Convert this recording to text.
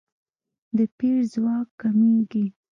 د پیر ځواک کمیږي.